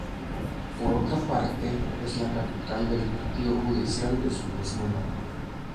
Por otra parte es la capital del partido judicial de su mismo nombre.